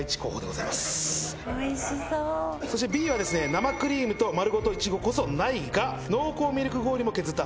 生クリームと丸ごといちごこそないが濃厚ミルク氷も削った